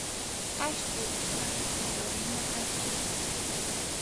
Ashby was married to Dorina Ashby.